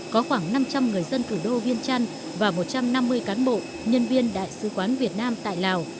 có khoảng năm trăm linh người dân thủ đô viên trăn và một trăm năm mươi cán bộ nhân viên đại sứ quán việt nam tại lào